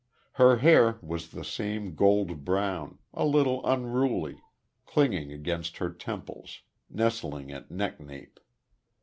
Her hair was the same gold brown, a little unruly, clinging against her temples, nestling at neck nape.